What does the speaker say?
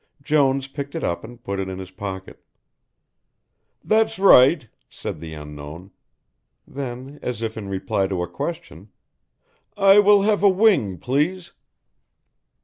Jones picked it up and put it in his pocket. "That's right," said the unknown. Then as if in reply to a question: "I will have a wing, please."